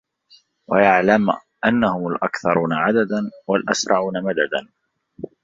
وَيَعْلَمَ أَنَّهُمْ الْأَكْثَرُونَ عَدَدًا وَالْأَسْرَعُونَ مَدَدًا